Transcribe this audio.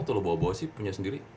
atau lo bawa bawa sih punya sendiri